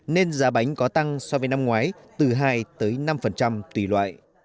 nên giá bánh có tăng so với năm ngoái từ hai tới năm tùy loại